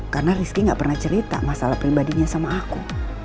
karena rizky gak pernah cerita masalah pribadinya sama aku